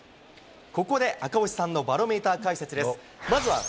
ここで赤星さんのバロメーター解説です。